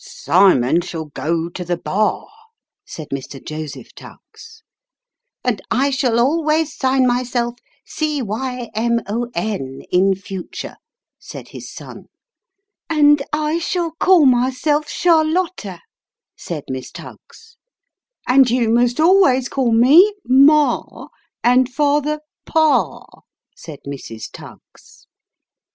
' Simon shall go to the bar," said Mr. Joseph Tuggs. ' And I shall always sign myself ' Cymon ' in future," said his son. ' And I shall call myself Charlotta," said Miss Tuggs. ' And you must always call me ' Ma,' and father ' Pa,' " said Mrs. Tuggs.